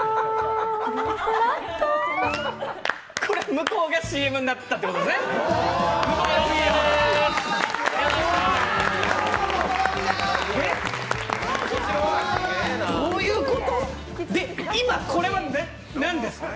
これ、向こうがＣＭになったということですね。